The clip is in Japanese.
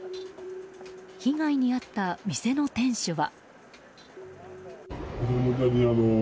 被害に遭った店の店主は。